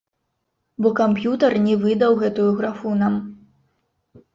Бо камп'ютар не выдаў гэтую графу нам!